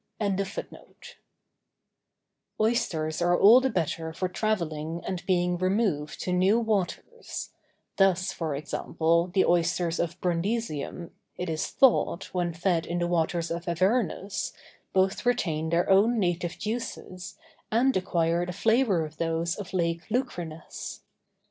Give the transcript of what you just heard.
Oysters are all the better for travelling and being removed to new waters; thus, for example, the oysters of Brundisium, it is thought, when fed in the waters of Avernus, both retain their own native juices and acquire the flavor of those of Lake Lucrinus.